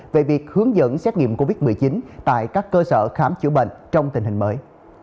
về việc hướng dẫn xét nghiệm covid một mươi chín tại các cơ sở khám chữa bệnh trong tình hình mới